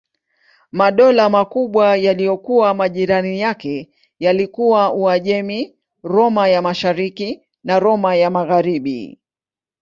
Madola makubwa yaliyokuwa majirani yake yalikuwa Uajemi, Roma ya Mashariki na Roma ya Magharibi.